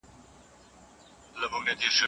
که غواړې بریالی سې نو ډېره مطالعه وکړه.